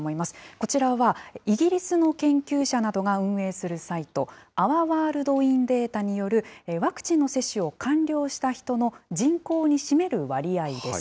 こちらはイギリスの研究者などが運営するサイト、アワ・ワールド・イン・データによるワクチン接種を完了した人の人口に占める割合です。